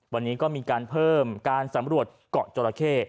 วันนี้ก็มีการเพิ่มการสำรวจเกาะจราเข้